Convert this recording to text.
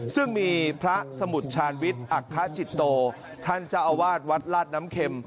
ซึ่งมีพระสมุทรชาญวิทย์อัครจิตโตท่านเจ้าอาวาสวัดลาดน้ำเข็ม